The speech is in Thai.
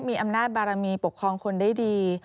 มีอำนาจบารมีปกครองคนได้ดี